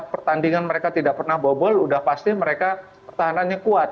pertandingan mereka tidak pernah bobol sudah pasti mereka pertahanannya kuat